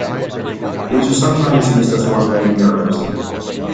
These are sometimes used as "one-way mirrors".